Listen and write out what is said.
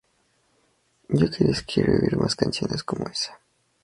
Yo quería escribir más canciones como esa".